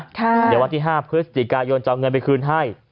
เดี๋ยววันที่๕พฤศจิกายนจะเอาเงินไปคืนให้